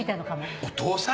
お父さん？